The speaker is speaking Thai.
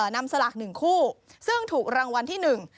นำสลากหนึ่งคู่ซึ่งถูกรางวัลที่หนึ่ง